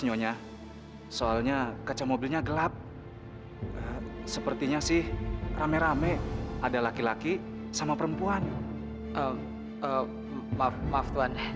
nyonya soalnya kaca mobilnya gelap sepertinya sih rame rame ada laki laki sama perempuan eh maaf maaf tuhan